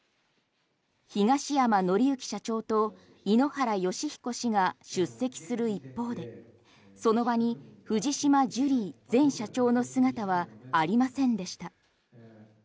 東山紀之社長と井ノ原快彦氏が出席する一方でその場に藤島ジュリー前社長の姿はありませんでした。